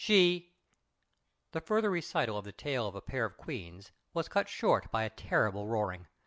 She" The further recital of the tale of a pair of queens was cut short by a terrible roaring.